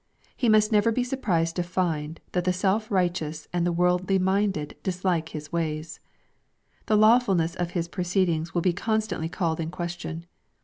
He must never be surprised to find, that the self righteous and the worldly minded dislike His ways. The lawfulness of his proceedings will be constantly called in question.